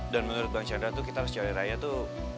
dan menurut bang chandra tuh kita harus cari raya tuh